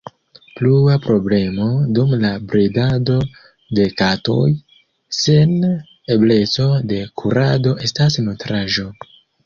Plua problemo dum la bredado de katoj sen ebleco de kurado estas nutraĵo.